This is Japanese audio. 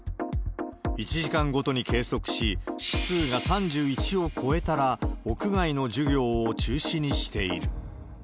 １時間ごとに計測し、指数が３１を超えたら、屋外の授業を中止にしている。